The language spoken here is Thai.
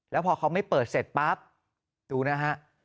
แล้วพอเขาไม่เปิดเสร็จปั๊บดูนะฮะ